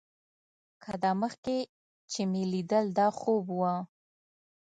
که دا مخکې چې مې ليدل دا خوب و.